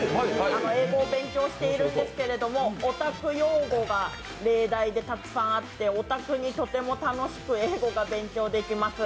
英語を勉強しているんですけど、オタク用語が例題でたくさんあって、オタクにとても楽しく英語が勉強できます。